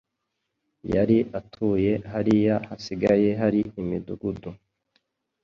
Yari atuye hariya hasigaye hari imidudugu